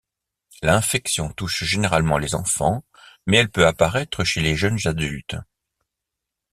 L'infection touche généralement les enfants mais elle peut apparaître chez les jeunes adultes.